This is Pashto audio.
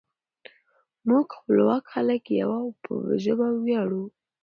موږ خپلواک خلک یو او په ژبه ویاړو.